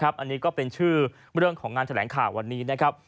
อันนี้ก็เป็นชื่อเรื่องของงานแถลงข่าววันนี้นะครับ